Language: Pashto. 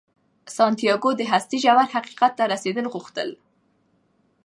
سانتیاګو د هستۍ ژور حقیقت ته رسیدل غوښتل.